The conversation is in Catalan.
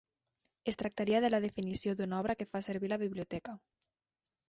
Es tractaria de la definició d'una "obra que fa servir la Biblioteca".